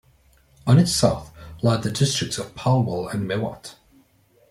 On its south, lie the districts of Palwal and Mewat.